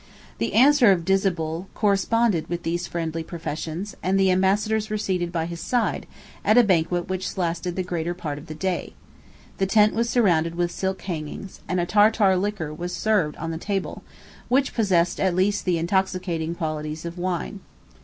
The answer of Disabul corresponded with these friendly professions, and the ambassadors were seated by his side, at a banquet which lasted the greatest part of the day: the tent was surrounded with silk hangings, and a Tartar liquor was served on the table, which possessed at least the intoxicating qualities of wine.